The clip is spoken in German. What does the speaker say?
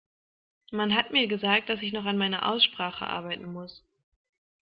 Man hat mir gesagt, dass ich noch an meiner Aussprache arbeiten muss.